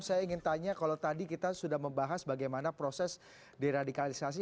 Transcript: saya ingin tanya kalau tadi kita sudah membahas bagaimana proses deradikalisasi